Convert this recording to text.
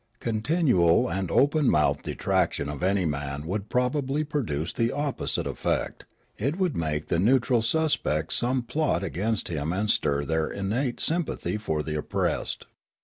Con tinual and open mouthed detraction of any man would probably produce the opposite effect ; it would make the neutral suspect some plot against him and stir their innate sympathy for the oppressed.